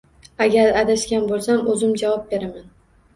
Agar adashgan bo`lsam, o`zim javob beraman